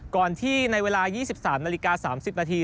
ก่อนที่ในเวลา๒๓นาฬิกา๓๐นาที